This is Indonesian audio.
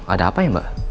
ada apa ya mbak